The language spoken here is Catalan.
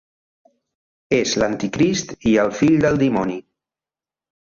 És l'Anticrist i el fill del Dimoni.